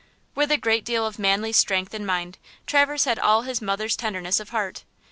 With a great deal of manly strength of mind, Traverse had all his mother's tenderness of heart.